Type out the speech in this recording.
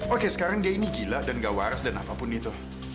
oke sekarang dia ini gila dan gak waras dan apapun itu